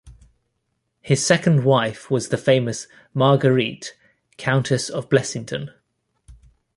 His second wife was the famous Marguerite, Countess of Blessington.